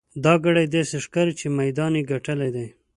دا ګړی داسې ښکاري چې میدان یې ګټلی دی.